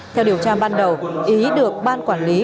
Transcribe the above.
theo điều tra ban đầu ý được ban quản lý